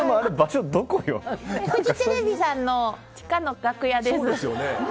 フジテレビさんの地下の楽屋です。